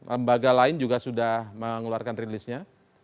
lembaga lain juga sudah mengeluarkan rilisnya